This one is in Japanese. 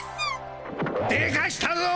でかしたぞよ！